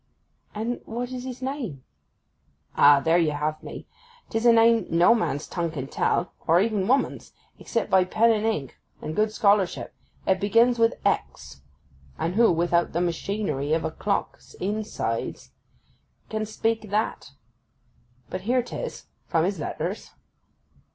'And what is his name?' 'Ah—there you have me! 'Tis a name no man's tongue can tell, or even woman's, except by pen and ink and good scholarship. It begins with X, and who, without the machinery of a clock in's inside, can speak that? But here 'tis—from his letters.